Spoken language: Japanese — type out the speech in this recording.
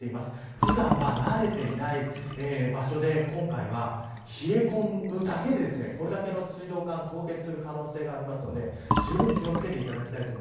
普段慣れていない場所で今回は冷え込むだけでこれだけの水道管凍結する可能性があるのでじゅうぶん気を付けていただきたいと思い